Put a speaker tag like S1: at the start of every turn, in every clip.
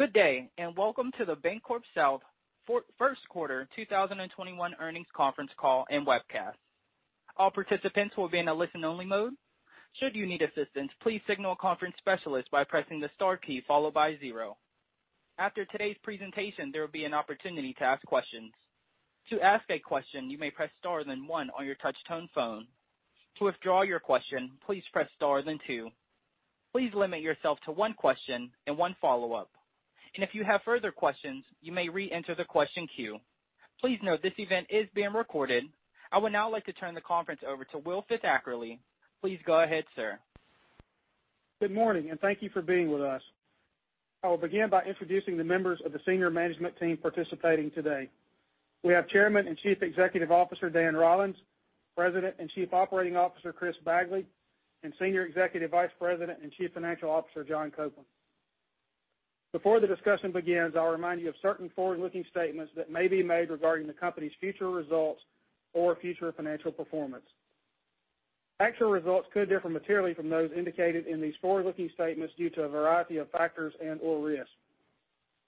S1: Good day, and welcome to the BancorpSouth First Quarter 2021 Earnings Conference Call and Webcast. All participants will be in a listen-only mode. Should you need assistance, please signal a conference specialist by pressing the star key followed by zero. After today's presentation, there will be an opportunity to ask questions. To ask a question, you may press star, then one on your touch-tone phone. To withdraw your question, please press star, then two. Please limit yourself to one question and one follow-up. If you have further questions, you may re-enter the question queue. Please note this event is being recorded. I would now like to turn the conference over to Will Fisackerly. Please go ahead, sir.
S2: Good morning, and thank you for being with us. I will begin by introducing the members of the senior management team participating today. We have Chairman and Chief Executive Officer, Dan Rollins, President and Chief Operating Officer, Chris Bagley, and Senior Executive Vice President and Chief Financial Officer, John Copeland. Before the discussion begins, I'll remind you of certain forward-looking statements that may be made regarding the company's future results or future financial performance. Actual results could differ materially from those indicated in these forward-looking statements due to a variety of factors and/or risks.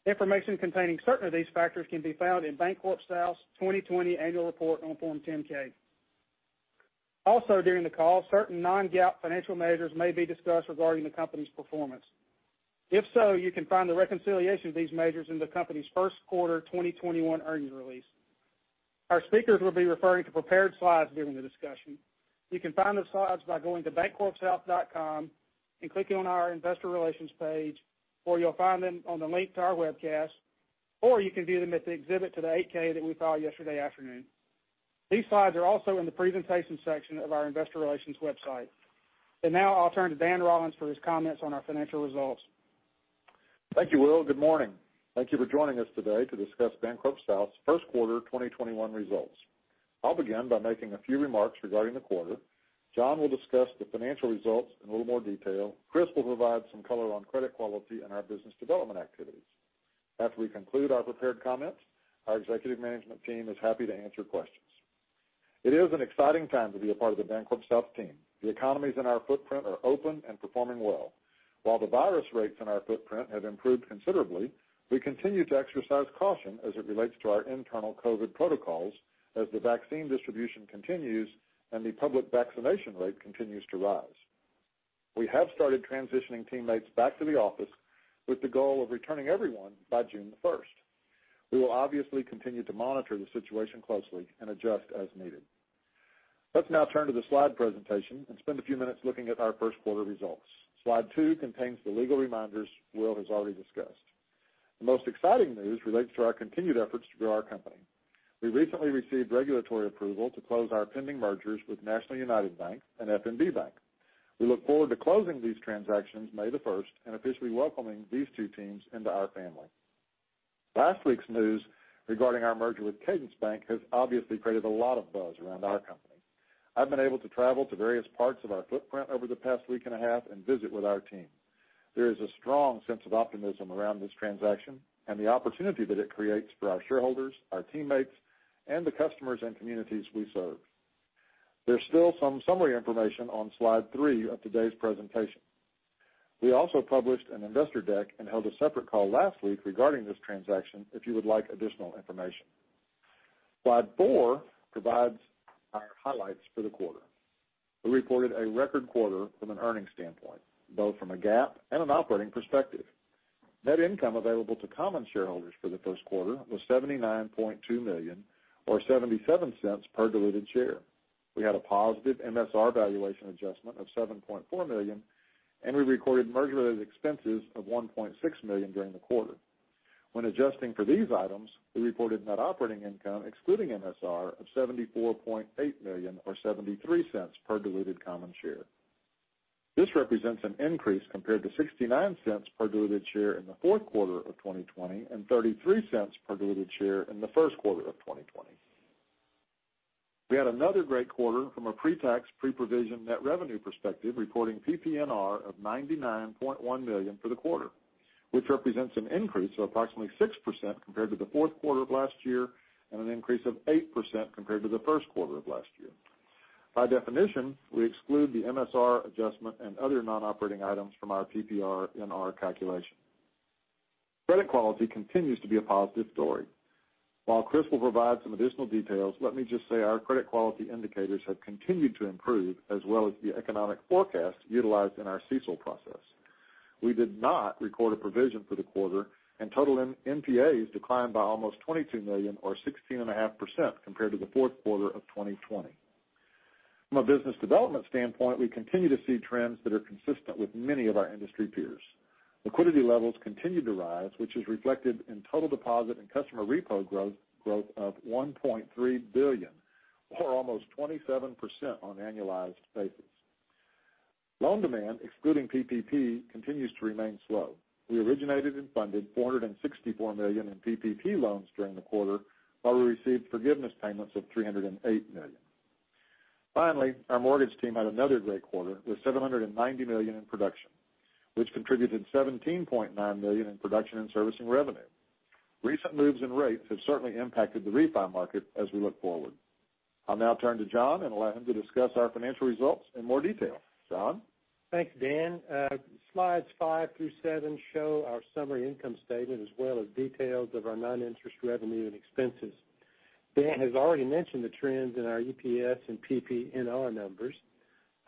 S2: Information containing certain of these factors can be found in BancorpSouth's 2020 annual report on Form 10-K. Also, during the call, certain non-GAAP financial measures may be discussed regarding the company's performance. If so, you can find the reconciliation of these measures in the company's first quarter 2021 earnings release. Our speakers will be referring to prepared slides during the discussion. You can find those slides by going to bancorpsouth.com and clicking on our Investor Relations page, or you'll find them on the link to our webcast, or you can view them at the exhibit to the 8-K that we filed yesterday afternoon. These slides are also in the presentation section of our investor relations website. Now I'll turn to Dan Rollins for his comments on our financial results.
S3: Thank you, Will. Good morning. Thank you for joining us today to discuss BancorpSouth's first quarter 2021 results. I'll begin by making a few remarks regarding the quarter. John will discuss the financial results in a little more detail. Chris will provide some color on credit quality and our business development activities. After we conclude our prepared comments, our executive management team is happy to answer questions. It is an exciting time to be a part of the BancorpSouth team. The economies in our footprint are open and performing well. While the virus rates in our footprint have improved considerably, we continue to exercise caution as it relates to our internal COVID protocols as the vaccine distribution continues and the public vaccination rate continues to rise. We have started transitioning teammates back to the office with the goal of returning everyone by June 1st. We will obviously continue to monitor the situation closely and adjust as needed. Let's now turn to the slide presentation and spend a few minutes looking at our first quarter results. Slide two contains the legal reminders Will has already discussed. The most exciting news relates to our continued efforts to grow our company. We recently received regulatory approval to close our pending mergers with National United Bank and FNB Bank. We look forward to closing these transactions May the 1st and officially welcoming these two teams into our family. Last week's news regarding our merger with Cadence Bank has obviously created a lot of buzz around our company. I've been able to travel to various parts of our footprint over the past week and a half and visit with our team. There is a strong sense of optimism around this transaction and the opportunity that it creates for our shareholders, our teammates, and the customers and communities we serve. There's still some summary information on slide three of today's presentation. We also published an investor deck and held a separate call last week regarding this transaction, if you would like additional information. Slide four provides our highlights for the quarter. We reported a record quarter from an earnings standpoint, both from a GAAP and an operating perspective. Net income available to common shareholders for the first quarter was $79.2 million or $0.77 per diluted share. We had a positive MSR valuation adjustment of $7.4 million, and we recorded merger-related expenses of $1.6 million during the quarter. When adjusting for these items, we reported net operating income excluding MSR of $74.8 million or $0.73 per diluted common share. This represents an increase compared to $0.69 per diluted share in the fourth quarter of 2020 and $0.33 per diluted share in the first quarter of 2020. We had another great quarter from a pre-tax, pre-provision net revenue perspective, reporting PPNR of $99.1 million for the quarter, which represents an increase of approximately 6% compared to the fourth quarter of last year and an increase of 8% compared to the first quarter of last year. By definition, we exclude the MSR adjustment and other non-operating items from our PPNR in our calculation. Credit quality continues to be a positive story. While Chris will provide some additional details, let me just say our credit quality indicators have continued to improve, as well as the economic forecast utilized in our CECL process. We did not record a provision for the quarter, and total NPAs declined by almost $22 million or 16.5% compared to the fourth quarter of 2020. From a business development standpoint, we continue to see trends that are consistent with many of our industry peers. Liquidity levels continued to rise, which is reflected in total deposit and customer repo growth of $1.3 billion or almost 27% on an annualized basis. Loan demand, excluding PPP, continues to remain slow. We originated and funded $464 million in PPP loans during the quarter, while we received forgiveness payments of $308 million. Finally, our mortgage team had another great quarter with $790 million in production, which contributed $17.9 million in production and servicing revenue. Recent moves in rates have certainly impacted the refi market as we look forward. I'll now turn to John and allow him to discuss our financial results in more detail. John?
S4: Thanks, Dan. Slides five through seven show our summary income statement, as well as details of our non-interest revenue and expenses. Dan has already mentioned the trends in our EPS and PPNR numbers.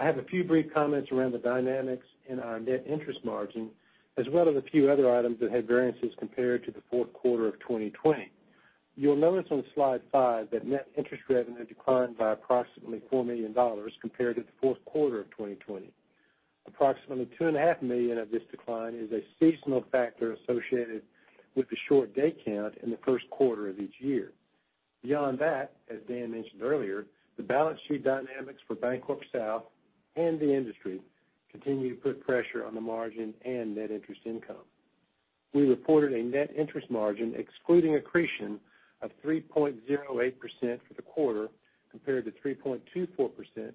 S4: I have a few brief comments around the dynamics in our net interest margin, as well as a few other items that had variances compared to the fourth quarter of 2020. You'll notice on slide five that net interest revenue declined by approximately $4 million compared to the fourth quarter of 2020. Approximately two and a half million of this decline is a seasonal factor associated with the short day count in the first quarter of each year. Beyond that, as Dan mentioned earlier, the balance sheet dynamics for BancorpSouth and the industry continue to put pressure on the margin and net interest income. We reported a net interest margin excluding accretion of 3.08% for the quarter compared to 3.24%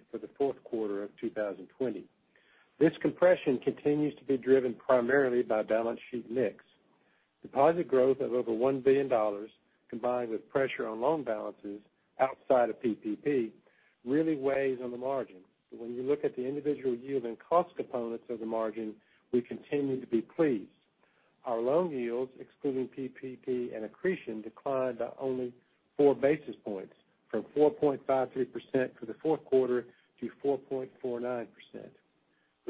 S4: for the fourth quarter of 2020. This compression continues to be driven primarily by balance sheet mix. Deposit growth of over $1 billion, combined with pressure on loan balances outside of PPP, really weighs on the margin. When you look at the individual yield and cost components of the margin, we continue to be pleased. Our loan yields, excluding PPP and accretion, declined by only 4 basis points from 4.53% for the fourth quarter to 4.49%.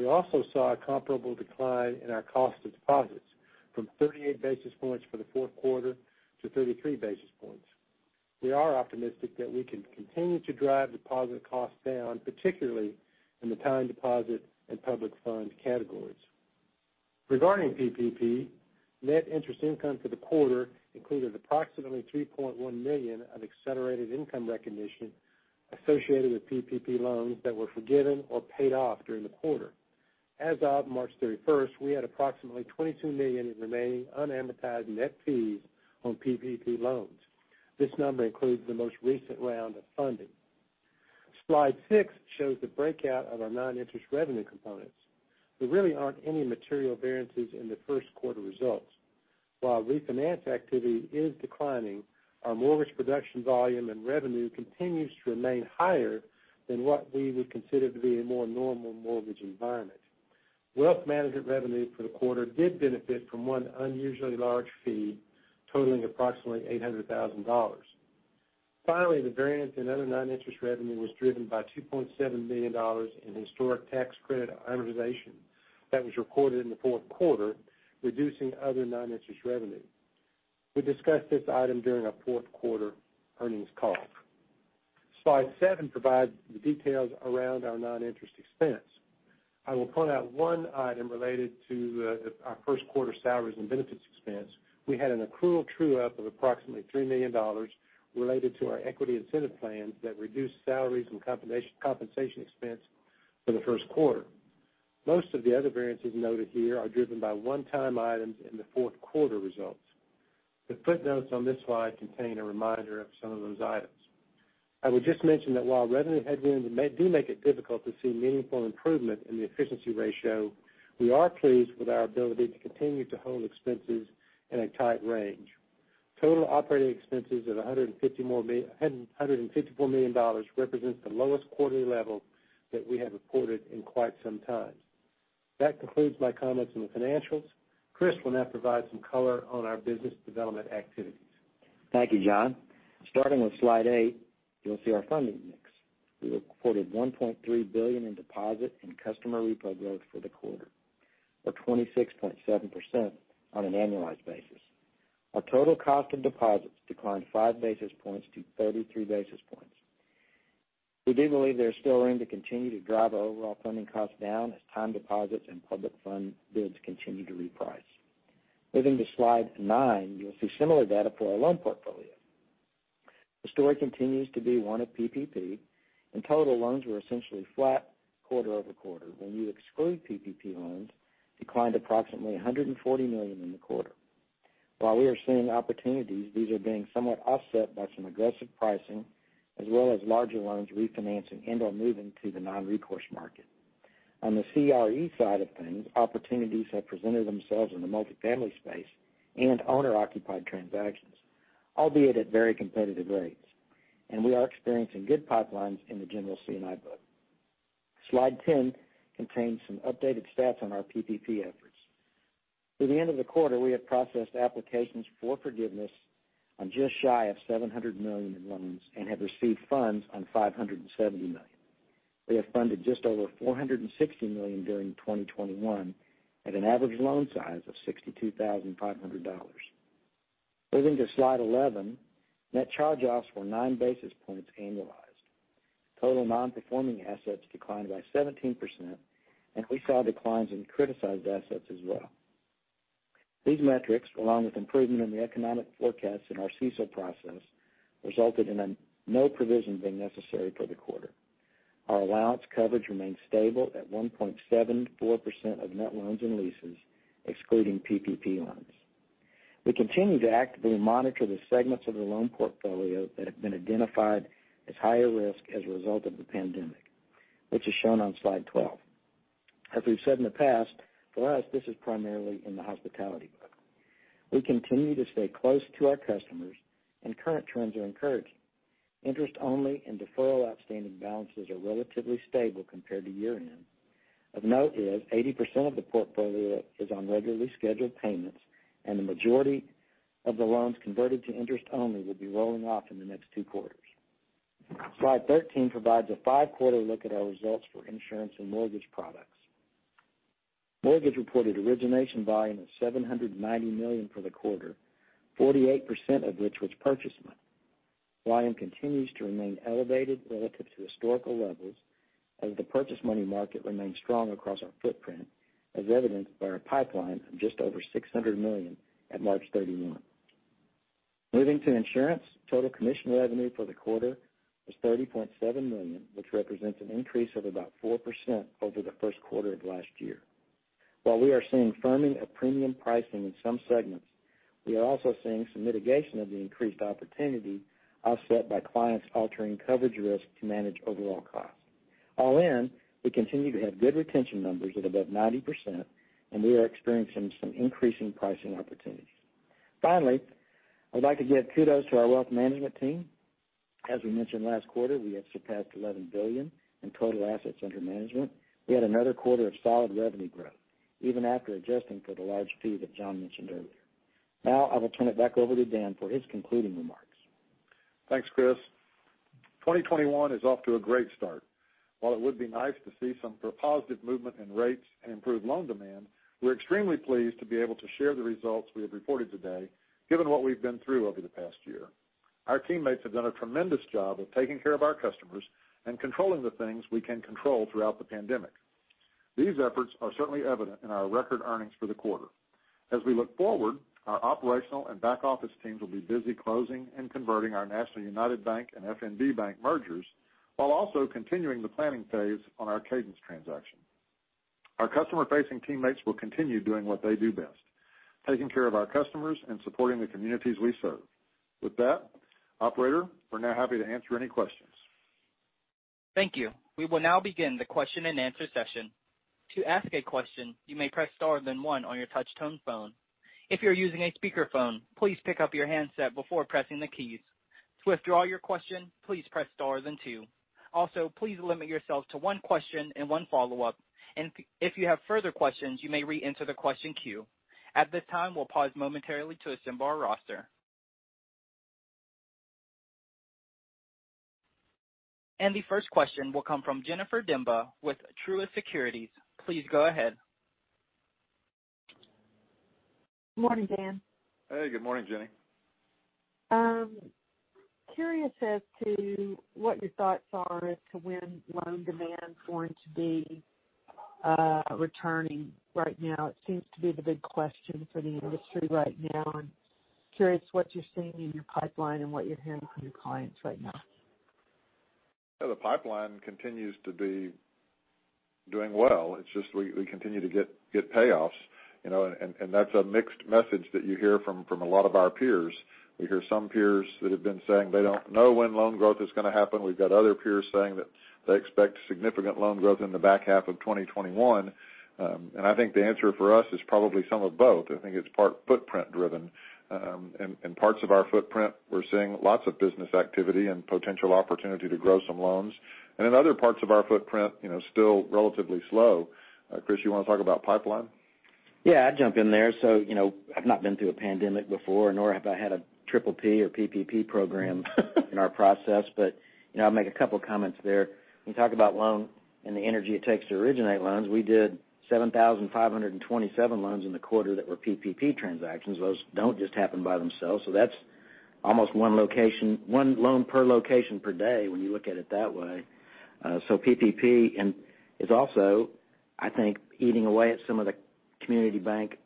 S4: We also saw a comparable decline in our cost of deposits from 38 basis points for the fourth quarter to 33 basis points. We are optimistic that we can continue to drive deposit costs down, particularly in the time deposit and public fund categories. Regarding PPP, net interest income for the quarter included approximately $3.1 million of accelerated income recognition associated with PPP loans that were forgiven or paid off during the quarter. As of March 31st, we had approximately $22 million in remaining unamortized net fees on PPP loans. This number includes the most recent round of funding. Slide six shows the breakout of our non-interest revenue components. There really aren't any material variances in the first quarter results. While refinance activity is declining, our mortgage production volume and revenue continues to remain higher than what we would consider to be a more normal mortgage environment. Wealth management revenue for the quarter did benefit from one unusually large fee totaling approximately $800,000. Finally, the variance in other non-interest revenue was driven by $2.7 million in historic tax credit amortization that was recorded in the fourth quarter, reducing other non-interest revenue. We discussed this item during our fourth quarter earnings call. Slide seven provides the details around our non-interest expense. I will point out one item related to our first quarter salaries and benefits expense. We had an accrual true-up of approximately $3 million related to our equity incentive plans that reduced salaries and compensation expense for the first quarter. Most of the other variances noted here are driven by one-time items in the fourth quarter results. The footnotes on this slide contain a reminder of some of those items. I would just mention that while revenue headwinds do make it difficult to see meaningful improvement in the efficiency ratio, we are pleased with our ability to continue to hold expenses in a tight range. Total operating expenses of $154 million represents the lowest quarterly level that we have reported in quite some time. That concludes my comments on the financials. Chris will now provide some color on our business development activities.
S5: Thank you, John. Starting with slide eight, you'll see our funding mix. We reported $1.3 billion in deposit and customer repo growth for the quarter, or 26.7% on an annualized basis. Our total cost of deposits declined 5 basis points to 33 basis points. We do believe there's still room to continue to drive our overall funding costs down as time deposits and public fund bids continue to reprice. Moving to slide nine, you'll see similar data for our loan portfolio. The story continues to be one of PPP, and total loans were essentially flat quarter-over-quarter. When you exclude PPP loans, declined approximately $140 million in the quarter. While we are seeing opportunities, these are being somewhat offset by some aggressive pricing, as well as larger loans refinancing and/or moving to the non-recourse market. On the CRE side of things, opportunities have presented themselves in the multifamily space and owner-occupied transactions, albeit at very competitive rates, and we are experiencing good pipelines in the general C&I book. Slide 10 contains some updated stats on our PPP efforts. Through the end of the quarter, we have processed applications for forgiveness on just shy of $700 million in loans and have received funds on $570 million. We have funded just over $460 million during 2021 at an average loan size of $62,500. Moving to slide 11, net charge-offs were 9 basis points annualized. Total non-performing assets declined by 17%, and we saw declines in criticized assets as well. These metrics, along with improvement in the economic forecast in our CECL process, resulted in no provision being necessary for the quarter. Our allowance coverage remains stable at 1.74% of net loans and leases, excluding PPP loans. We continue to actively monitor the segments of the loan portfolio that have been identified as higher risk as a result of the pandemic, which is shown on slide 12. As we've said in the past, for us, this is primarily in the hospitality group. We continue to stay close to our customers and current trends are encouraging. Interest only and deferral outstanding balances are relatively stable compared to year-end. Of note is 80% of the portfolio is on regularly scheduled payments, and the majority of the loans converted to interest only will be rolling off in the next two quarters. Slide 13 provides a five-quarter look at our results for insurance and mortgage products. Mortgage reported origination volume of $790 million for the quarter, 48% of which was purchase money. Volume continues to remain elevated relative to historical levels as the purchase money market remains strong across our footprint, as evidenced by our pipeline of just over $600 million at March 31. Moving to insurance, total commission revenue for the quarter was $30.7 million, which represents an increase of about 4% over the first quarter of last year. While we are seeing firming of premium pricing in some segments, we are also seeing some mitigation of the increased opportunity offset by clients altering coverage risk to manage overall cost. All in, we continue to have good retention numbers at above 90%, and we are experiencing some increasing pricing opportunities. Finally, I'd like to give kudos to our wealth management team. As we mentioned last quarter, we have surpassed $11 billion in total assets under management. We had another quarter of solid revenue growth, even after adjusting for the large fee that John mentioned earlier. Now, I will turn it back over to Dan for his concluding remarks.
S3: Thanks, Chris. 2021 is off to a great start. While it would be nice to see some positive movement in rates and improved loan demand, we're extremely pleased to be able to share the results we have reported today, given what we've been through over the past year. Our teammates have done a tremendous job of taking care of our customers and controlling the things we can control throughout the pandemic. These efforts are certainly evident in our record earnings for the quarter. As we look forward, our operational and back office teams will be busy closing and converting our National United Bank and FNB Bank mergers, while also continuing the planning phase on our Cadence transaction. Our customer-facing teammates will continue doing what they do best, taking care of our customers and supporting the communities we serve. With that, operator, we're now happy to answer any questions.
S1: Thank you. We will now begin the question and answer session. To ask a question, you may press star then one on your touch tone phone. If you're using a speakerphone, please pick up your handset before pressing the keys. To withdraw your question, please press star then two. Also, please limit yourself to one question and one follow-up, and if you have further questions, you may reenter the question queue. At this time, we'll pause momentarily to assemble our roster. And the first question will come from Jennifer Demba with Truist Securities. Please go ahead.
S6: Morning, Dan.
S3: Hey, good morning, Jenny.
S6: Curious as to what your thoughts are as to when loan demand's going to be returning right now? It seems to be the big question for the industry right now, and curious what you're seeing in your pipeline and what you're hearing from your clients right now?
S3: The pipeline continues to be doing well. It's just we continue to get payoffs, and that's a mixed message that you hear from a lot of our peers. We hear some peers that have been saying they don't know when loan growth is going to happen. We've got other peers saying that they expect significant loan growth in the back half of 2021. I think the answer for us is probably some of both. I think it's part footprint driven. In parts of our footprint, we're seeing lots of business activity and potential opportunity to grow some loans. In other parts of our footprint, still relatively slow. Chris, you want to talk about pipeline?
S5: Yeah, I'd jump in there. I've not been through a pandemic before, nor have I had a Triple P or PPP program in our process, but I'll make a couple comments there. When you talk about loan and the energy it takes to originate loans, we did 7,527 loans in the quarter that were PPP transactions. Those don't just happen by themselves. That's almost one loan per location per day when you look at it that way. PPP is also, I think, eating away at some of the community bank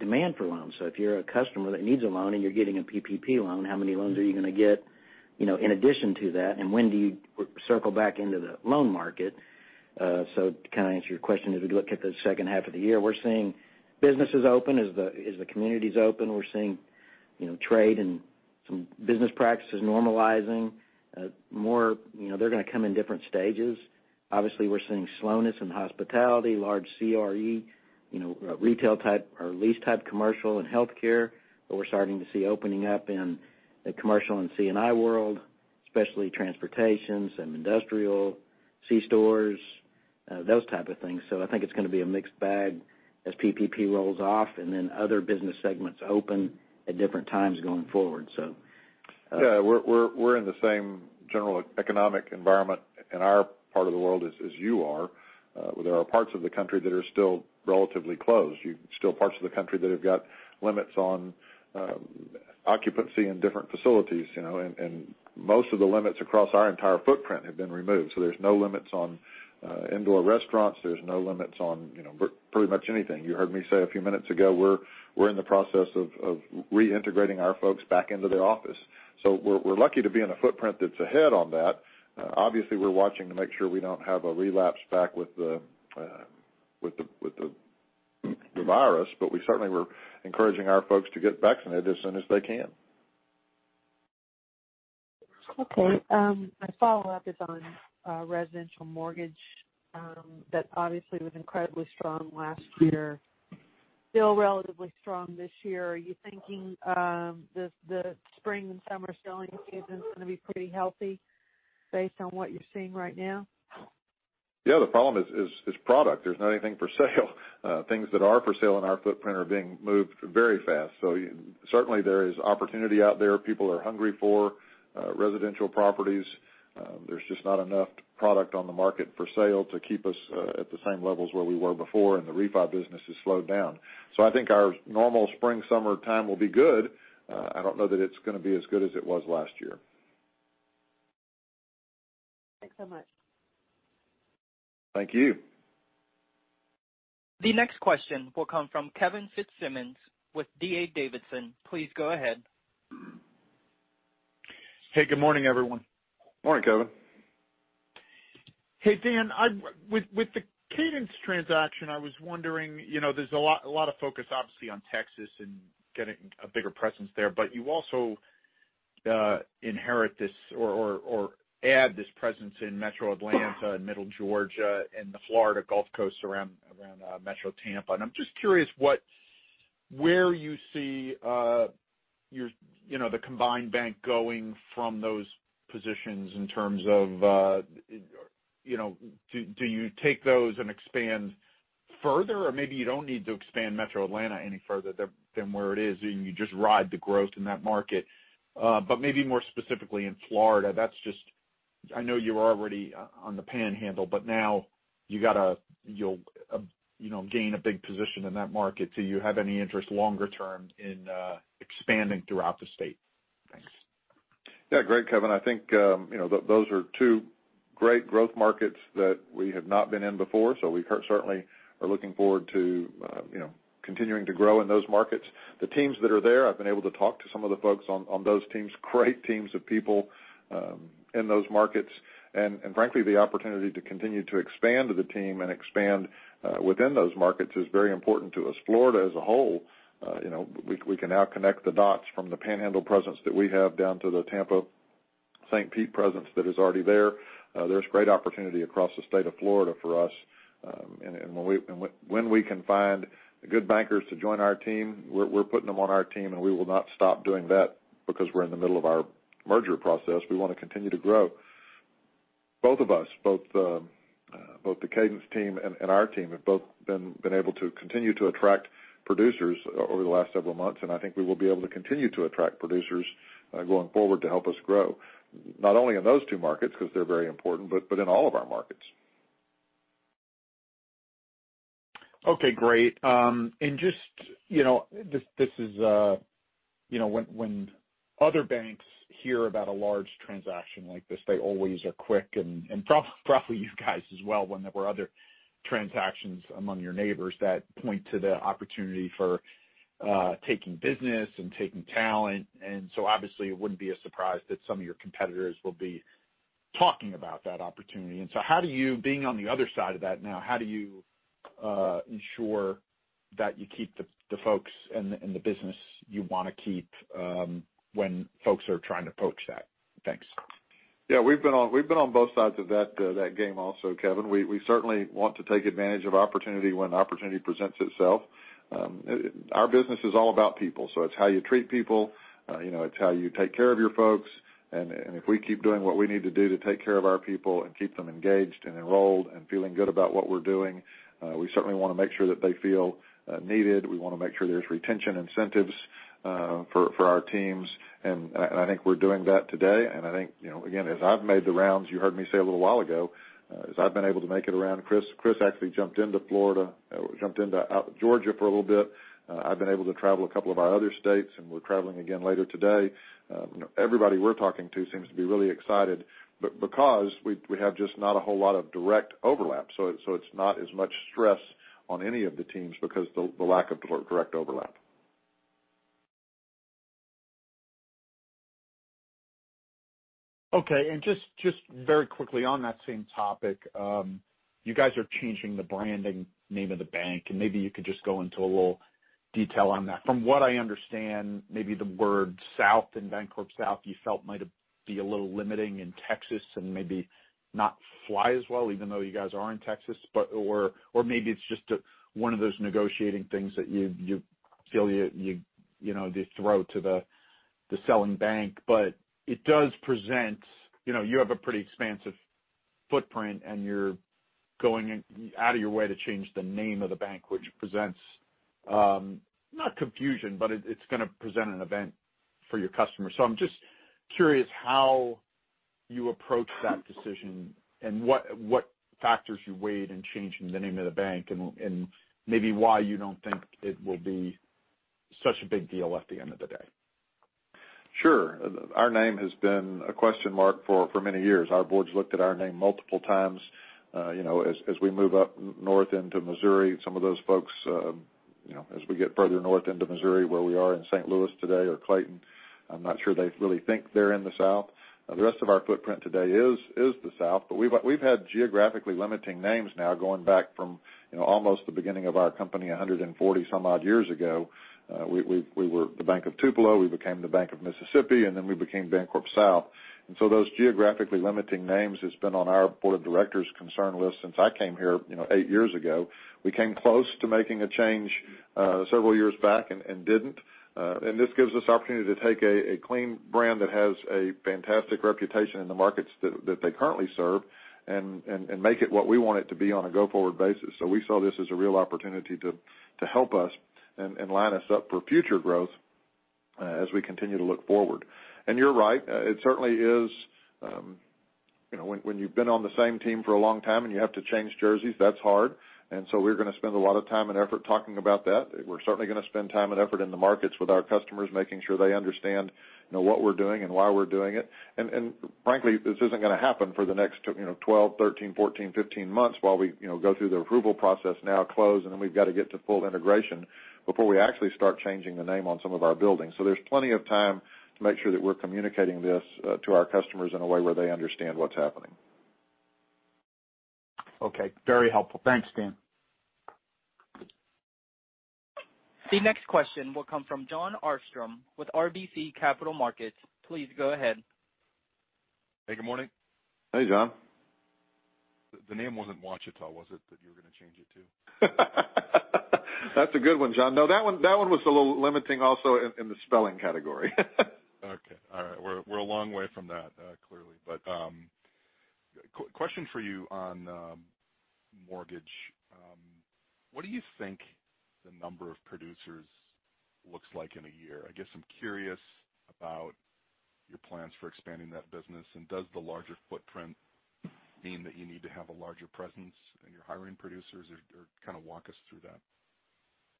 S5: demand for loans. If you're a customer that needs a loan and you're getting a PPP loan, how many loans are you going to get in addition to that, and when do you circle back into the loan market? to answer your question, as we look at the second half of the year, we're seeing businesses open, as the communities open. We're seeing trade and some business practices normalizing. They're going to come in different stages. Obviously, we're seeing slowness in hospitality, large CRE, retail type or lease type commercial and healthcare. we're starting to see opening up in the commercial and C&I world, especially transportation, some industrial, c-stores, those type of things. I think it's going to be a mixed bag as PPP rolls off, and then other business segments open at different times going forward.
S3: Yeah, we're in the same general economic environment in our part of the world as you are, where there are parts of the country that are still relatively closed. Still parts of the country that have got limits on occupancy in different facilities. Most of the limits across our entire footprint have been removed. There's no limits on indoor restaurants. There's no limits on pretty much anything. You heard me say a few minutes ago, we're in the process of reintegrating our folks back into their office. We're lucky to be in a footprint that's ahead on that. Obviously, we're watching to make sure we don't have a relapse back with the virus. We certainly, we're encouraging our folks to get vaccinated as soon as they can.
S6: Okay. My follow-up is on residential mortgage. That obviously was incredibly strong last year, still relatively strong this year. Are you thinking the spring and summer selling season's going to be pretty healthy based on what you're seeing right now?
S3: Yeah, the problem is product. There's not anything for sale. Things that are for sale in our footprint are being moved very fast. Certainly there is opportunity out there. People are hungry for residential properties. There's just not enough product on the market for sale to keep us at the same levels where we were before, and the refi business has slowed down. I think our normal spring, summer time will be good. I don't know that it's going to be as good as it was last year.
S6: Thanks so much.
S3: Thank you.
S1: The next question will come from Kevin Fitzsimmons with D.A. Davidson. Please go ahead.
S7: Hey, good morning, everyone.
S3: Morning, Kevin.
S7: Hey, Dan. With the Cadence transaction, I was wondering, there's a lot of focus, obviously, on Texas and getting a bigger presence there, but you also inherit this or add this presence in Metro Atlanta and Middle Georgia and the Florida Gulf Coast around Metro Tampa. I'm just curious where you see the combined bank going from those positions in terms of, do you take those and expand further? Maybe you don't need to expand Metro Atlanta any further than where it is, and you just ride the growth in that market. Maybe more specifically in Florida. I know you were already on the Panhandle, but now you'll gain a big position in that market. Do you have any interest longer term in expanding throughout the state? Thanks.
S3: Yeah. Great, Kevin. I think those are two great growth markets that we have not been in before. We certainly are looking forward to continuing to grow in those markets. The teams that are there, I've been able to talk to some of the folks on those teams, great teams of people in those markets. Frankly, the opportunity to continue to expand the team and expand within those markets is very important to us. Florida as a whole, we can now connect the dots from the Panhandle presence that we have down to the Tampa, St. Pete presence that is already there. There's great opportunity across the state of Florida for us. When we can find good bankers to join our team, we're putting them on our team, and we will not stop doing that because we're in the middle of our merger process. We want to continue to grow. Both of us, both the Cadence team and our team, have both been able to continue to attract producers over the last several months, and I think we will be able to continue to attract producers going forward to help us grow, not only in those two markets because they're very important, but in all of our markets.
S7: Okay, great. When other banks hear about a large transaction like this, they always are quick and probably you guys as well when there were other transactions among your neighbors that point to the opportunity for taking business and taking talent. Obviously it wouldn't be a surprise that some of your competitors will be talking about that opportunity. How do you, being on the other side of that now, how do you ensure that you keep the folks and the business you want to keep when folks are trying to poach that? Thanks.
S3: Yeah, we've been on both sides of that game also, Kevin. We certainly want to take advantage of opportunity when opportunity presents itself. Our business is all about people. It's how you treat people, it's how you take care of your folks, and if we keep doing what we need to do to take care of our people and keep them engaged and enrolled and feeling good about what we're doing. We certainly want to make sure that they feel needed. We want to make sure there's retention incentives for our teams. I think we're doing that today. I think, again, as I've made the rounds, you heard me say a little while ago, as I've been able to make it around, Chris actually jumped into Florida, jumped into Georgia for a little bit. I've been able to travel a couple of our other states, and we're traveling again later today. Everybody we're talking to seems to be really excited because we have just not a whole lot of direct overlap. It's not as much stress on any of the teams because the lack of direct overlap.
S7: Okay. Just very quickly on that same topic. You guys are changing the branding name of the bank, and maybe you could just go into a little detail on that. From what I understand, maybe the word South in BancorpSouth, you felt might be a little limiting in Texas and maybe not fly as well, even though you guys are in Texas, or maybe it's just one of those negotiating things that you feel you throw to the selling bank. It does present. You have a pretty expansive footprint, and you're going out of your way to change the name of the bank, which presents, not confusion, but it's going to present an event for your customers. I'm just curious how you approach that decision and what factors you weighed in changing the name of the bank and maybe why you don't think it will be such a big deal at the end of the day.
S3: Sure. Our name has been a question mark for many years. Our board's looked at our name multiple times. As we get further north into Missouri, where we are in St. Louis today, or Clayton, I'm not sure they really think they're in the South. The rest of our footprint today is the South, but we've had geographically limiting names now going back from almost the beginning of our company, 140 some odd years ago. We were the Bank of Tupelo, we became the Bank of Mississippi, and then we became BancorpSouth. those geographically limiting names has been on our board of directors' concern list since I came here eight years ago. We came close to making a change several years back and didn't. This gives us opportunity to take a clean brand that has a fantastic reputation in the markets that they currently serve and make it what we want it to be on a go-forward basis. We saw this as a real opportunity to help us and line us up for future growth as we continue to look forward. You're right. It certainly is, when you've been on the same team for a long time and you have to change jerseys, that's hard. We're going to spend a lot of time and effort talking about that. We're certainly going to spend time and effort in the markets with our customers, making sure they understand what we're doing and why we're doing it. Frankly, this isn't going to happen for the next 12, 13, 14, 15 months while we go through the approval process now close, and then we've got to get to full integration before we actually start changing the name on some of our buildings. There's plenty of time to make sure that we're communicating this to our customers in a way where they understand what's happening.
S7: Okay. Very helpful. Thanks, Dan.
S1: The next question will come from Jon Arfstrom with RBC Capital Markets. Please go ahead.
S8: Hey, good morning.
S3: Hey, Jon.
S8: The name wasn't Ouachita, was it, that you were going to change it to?
S3: That's a good one, Jon. No, that one was a little limiting also in the spelling category.
S8: Okay. All right. We're a long way from that, clearly. question for you on mortgage. What do you think the number of producers looks like in a year? I guess I'm curious about your plans for expanding that business, and does the larger footprint mean that you need to have a larger presence in your hiring producers? kind of walk us through that.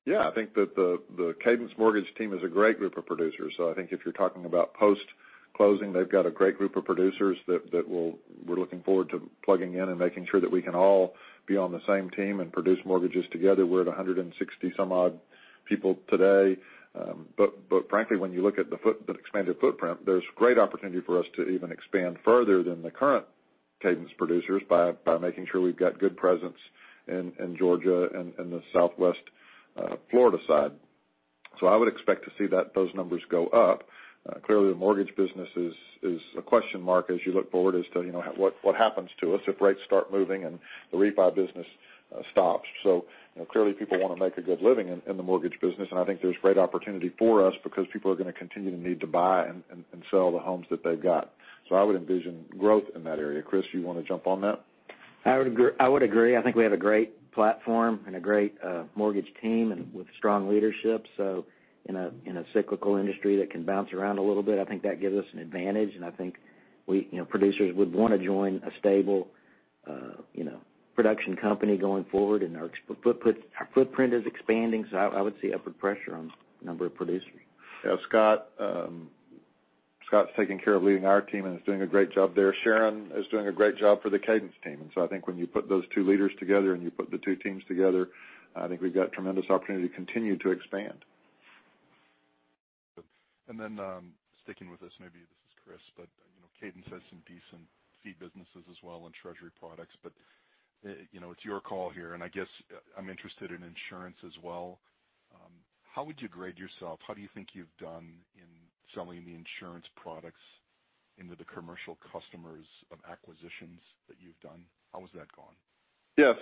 S3: Yeah, I think that the Cadence Mortgage team is a great group of producers. I think if you're talking about post-closing, they've got a great group of producers that we're looking forward to plugging in and making sure that we can all be on the same team and produce mortgages together. We're at 160 some odd people today. Frankly, when you look at the expanded footprint, there's great opportunity for us to even expand further than the current Cadence producers by making sure we've got good presence in Georgia and the Southwest Florida side. I would expect to see those numbers go up. Clearly, the mortgage business is a question mark as you look forward as to what happens to us if rates start moving and the refi business stops. Clearly, people want to make a good living in the mortgage business, and I think there's great opportunity for us because people are going to continue to need to buy and sell the homes that they've got. I would envision growth in that area. Chris, you want to jump on that?
S5: I would agree. I think we have a great platform and a great mortgage team, and with strong leadership. In a cyclical industry that can bounce around a little bit, I think that gives us an advantage, and I think producers would want to join a stable production company going forward, and our footprint is expanding. I would see upward pressure on the number of producers.
S3: Yeah, Scott's taking care of leading our team and is doing a great job there. Sharon is doing a great job for the Cadence team. I think when you put those two leaders together, and you put the two teams together, I think we've got tremendous opportunity to continue to expand.
S8: Good. sticking with this, maybe this is Chris, but Cadence has some decent fee businesses as well in treasury products. it's your call here, and I guess, I'm interested in insurance as well. How would you grade yourself? How do you think you've done in selling the insurance products into the commercial customers of acquisitions that you've done? How is that going?
S3: Yeah.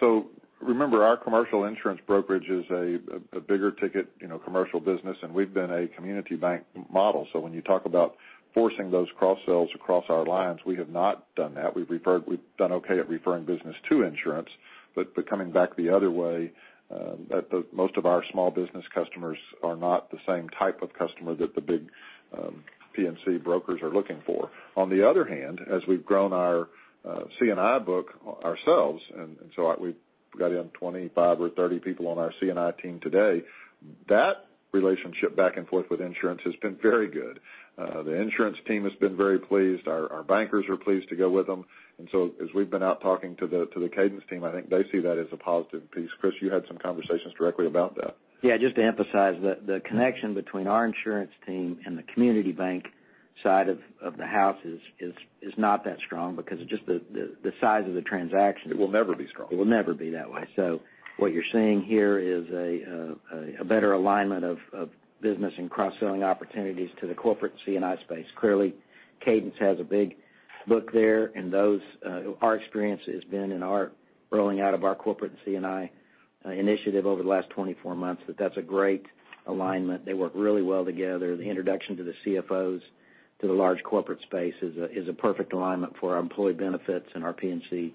S3: Remember, our commercial insurance brokerage is a bigger-ticket commercial business, and we've been a community bank model. When you talk about forcing those cross-sells across our lines, we have not done that. We've done okay at referring business to insurance, but coming back the other way, most of our small business customers are not the same type of customer that the big P&C brokers are looking for. On the other hand, as we've grown our C&I book ourselves, and so we've got in 25 or 30 people on our C&I team today, that relationship back and forth with insurance has been very good. The insurance team has been very pleased. Our bankers are pleased to go with them. As we've been out talking to the Cadence team, I think they see that as a positive piece. Chris, you had some conversations directly about that.
S5: Yeah, just to emphasize, the connection between our insurance team and the community bank side of the house is not that strong because of just the size of the transaction.
S3: It will never be strong.
S5: It will never be that way. What you're seeing here is a better alignment of business and cross-selling opportunities to the corporate C&I space. Clearly, Cadence has a big book there, and our experience has been in our rolling out of our corporate C&I initiative over the last 24 months, that that's a great alignment. They work really well together. The introduction to the CFOs, to the large corporate space is a perfect alignment for our employee benefits and our P&C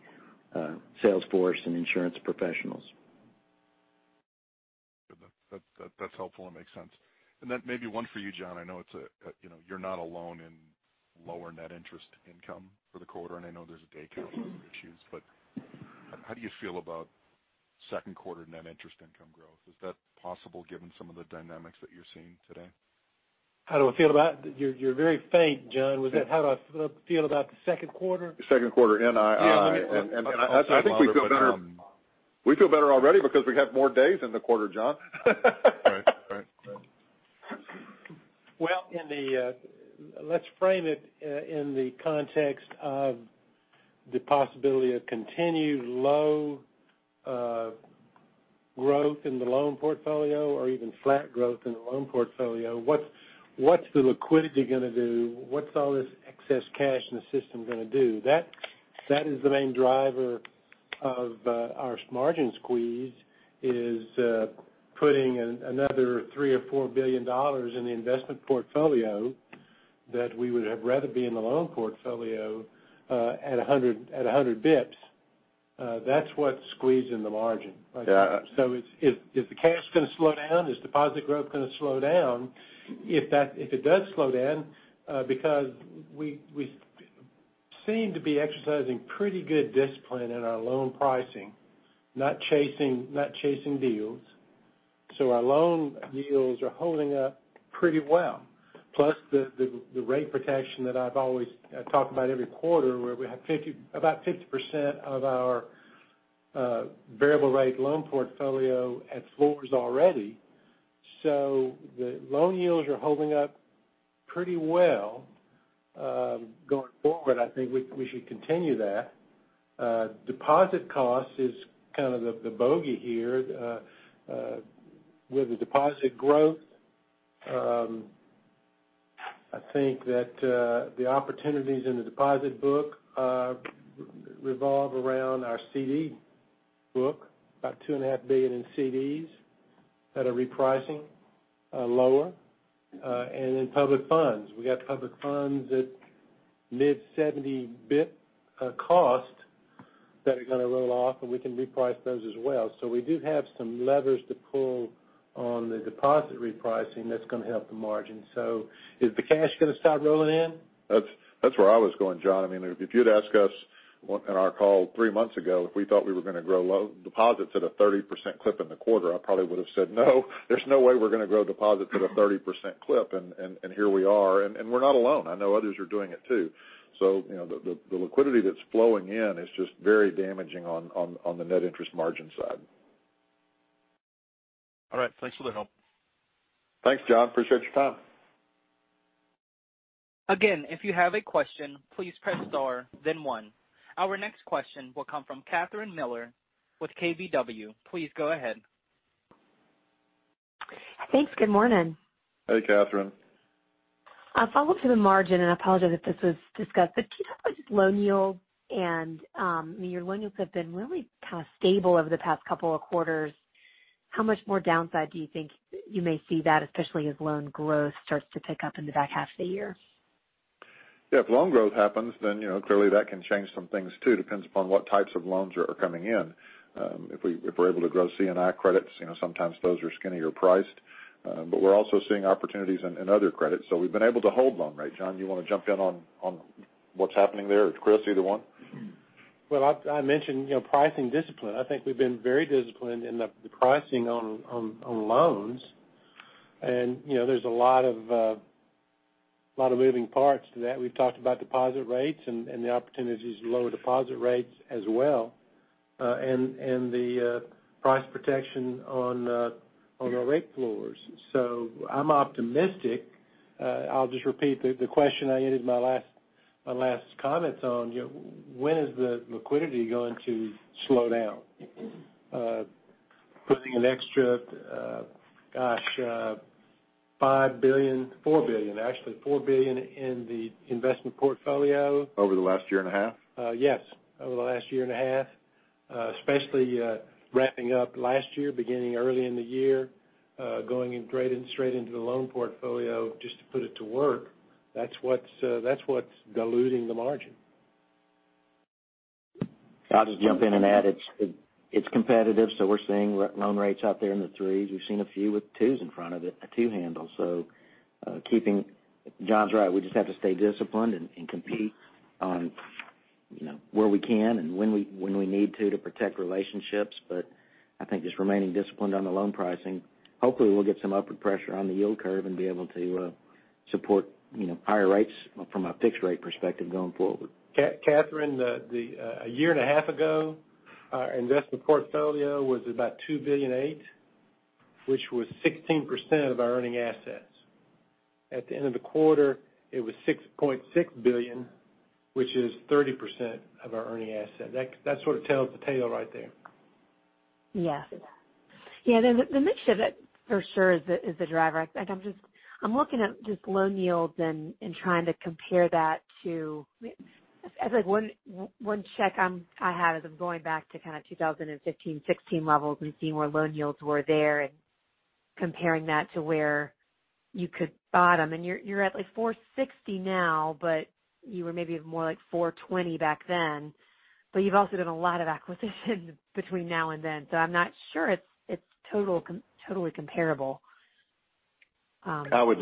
S5: sales force and insurance professionals.
S8: Good. That's helpful and makes sense. That may be one for you, John. I know you're not alone in lower net interest income for the quarter, and I know there's a day count issues, but how do you feel about second quarter net interest income growth? Is that possible given some of the dynamics that you're seeing today?
S4: How do I feel about? You're very faint, Jon. Was that how do I feel about the second quarter?
S3: The second quarter NII.
S4: Yeah, let me-
S3: I think we feel better already because we have more days in the quarter, Jon.
S8: Right.
S4: Well, let's frame it in the context of the possibility of continued low growth in the loan portfolio or even flat growth in the loan portfolio. What's the liquidity going to do? What's all this excess cash in the system going to do? That is the main driver of our margin squeeze, is putting another $3 billion or $4 billion in the investment portfolio that we would have rather be in the loan portfolio at 100 bps. That's what's squeezing the margin.
S3: Yeah.
S4: Is the cash going to slow down? Is deposit growth going to slow down? If it does slow down, because we seem to be exercising pretty good discipline in our loan pricing, not chasing deals. Our loan yields are holding up pretty well. Plus the rate protection that I've always talked about every quarter, where we have about 50% of our variable rate loan portfolio at floors already. The loan yields are holding up pretty well. Going forward, I think we should continue that. Deposit cost is kind of the bogey here. With the deposit growth, I think that the opportunities in the deposit book revolve around our CD book, about $2.5 billion in CDs that are repricing lower. In public funds. We got public funds at mid-70 basis points cost that are going to roll off, and we can reprice those as well. We do have some levers to pull on the deposit repricing that's going to help the margin. Is the cash going to start rolling in?
S3: That's where I was going, John. If you'd asked us on our call three months ago, if we thought we were going to grow deposits at a 30% clip in the quarter, I probably would've said, no, there's no way we're going to grow deposits at a 30% clip. Here we are, and we're not alone. I know others are doing it too. The liquidity that's flowing in is just very damaging on the net interest margin side.
S8: All right. Thanks for the help.
S3: Thanks, Jon. Appreciate your time.
S1: Our next question will come from Catherine Mealor with KBW. Please go ahead.
S9: Thanks. Good morning.
S3: Hey, Catherine.
S9: A follow-up to the margin, and I apologize if this was discussed, but can you talk about just loan yields and, your loan yields have been really kind of stable over the past couple of quarters. How much more downside do you think you may see that, especially as loan growth starts to pick up in the back half of the year?
S3: Yeah, if loan growth happens, then clearly that can change some things too. Depends upon what types of loans are coming in. If we're able to grow C&I credits, sometimes those are skinnier priced. We're also seeing opportunities in other credits, so we've been able to hold loan rates. John, you want to jump in on what's happening there, or Chris, either one?
S4: Well, I mentioned pricing discipline. I think we've been very disciplined in the pricing on loans. there's a lot of moving parts to that. We've talked about deposit rates and the opportunities to lower deposit rates as well, and the price protection on our rate floors. I'm optimistic. I'll just repeat the question I ended my last comments on. When is the liquidity going to slow down? Putting an extra, gosh, $4 billion in the investment portfolio.
S3: Over the last year and a half?
S4: Yes. Over the last year and a half. Especially wrapping up last year, beginning early in the year, going straight into the loan portfolio just to put it to work. That's what's diluting the margin.
S5: I'll just jump in and add, it's competitive, so we're seeing loan rates out there in the threes. We've seen a few with twos in front of it, a two handle. John's right. We just have to stay disciplined and compete on where we can and when we need to protect relationships. I think just remaining disciplined on the loan pricing. Hopefully we'll get some upward pressure on the yield curve and be able to support higher rates from a fixed rate perspective going forward.
S4: Catherine, a year and a half ago, our investment portfolio was about $2.8 billion, which was 16% of our earning assets. At the end of the quarter, it was $6.6 billion, which is 30% of our earning asset. That sort of tells the tale right there.
S9: Yes. The mixture for sure is the driver. I'm looking at just loan yields and trying to compare that to, as one check I had as I'm going back to kind of 2015, 2016 levels and seeing where loan yields were there and comparing that to where you could bottom. You're at like 460 now, but you were maybe more like 420 back then. You've also done a lot of acquisitions between now and then. I'm not sure it's totally comparable.
S3: I would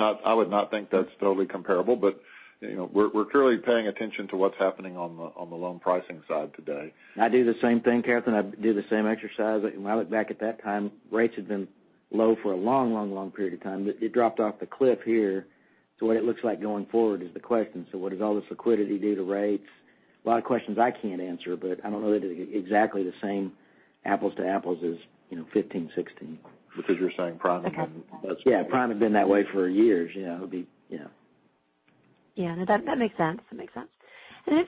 S3: not think that's totally comparable, but we're clearly paying attention to what's happening on the loan pricing side today.
S5: I do the same thing, Catherine. I do the same exercise. When I look back at that time, rates had been low for a long period of time. It dropped off the cliff here. what it looks like going forward is the question. what does all this liquidity do to rates? A lot of questions I can't answer, but I don't know that it's exactly the same apples to apples as 2015, 2016.
S3: You're saying Prime has been-
S9: Okay.
S5: Yeah, Prime had been that way for years.
S9: Yeah. That makes sense.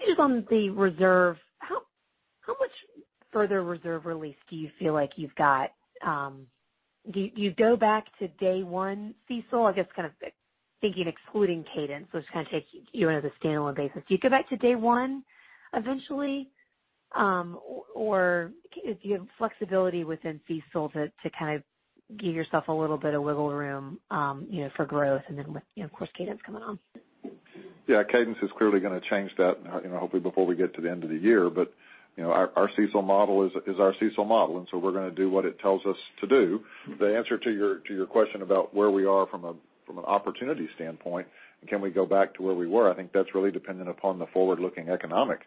S9: Just on the reserve, how much further reserve release do you feel like you've got? Do you go back to day one CECL? I guess kind of thinking excluding Cadence. Just take you on as a standalone basis. Do you go back to day one eventually, or do you have flexibility within CECL to give yourself a little bit of wiggle room for growth and then with, of course, Cadence coming on?
S3: Yeah, Cadence is clearly going to change that, hopefully before we get to the end of the year. Our CECL model is our CECL model, and so we're going to do what it tells us to do. The answer to your question about where we are from an opportunity standpoint, and can we go back to where we were, I think that's really dependent upon the forward-looking economic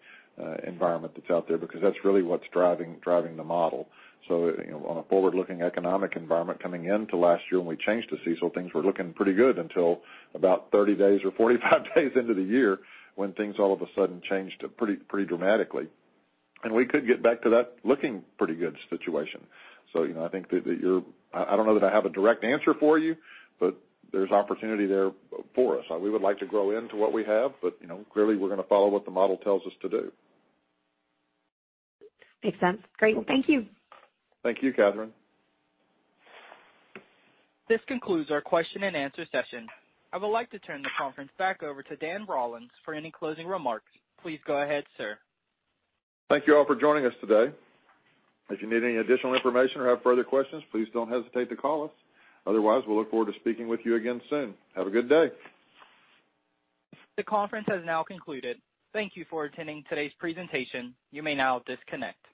S3: environment that's out there, because that's really what's driving the model. On a forward-looking economic environment coming into last year when we changed to CECL, things were looking pretty good until about 30 days or 45 days into the year, when things all of a sudden changed pretty dramatically. We could get back to that looking pretty good situation. I don't know that I have a direct answer for you, but there's opportunity there for us. We would like to grow into what we have, but clearly, we're going to follow what the model tells us to do.
S9: Makes sense. Great. Thank you.
S3: Thank you, Catherine.
S1: This concludes our question and answer session. I would like to turn the conference back over to Dan Rollins for any closing remarks. Please go ahead, sir.
S3: Thank you all for joining us today. If you need any additional information or have further questions, please don't hesitate to call us. Otherwise, we'll look forward to speaking with you again soon. Have a good day.
S1: The conference has now concluded. Thank you for attending today's presentation. You may now disconnect.